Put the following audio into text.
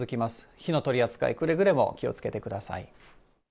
火の取り扱い、くれぐれも気をつけてください。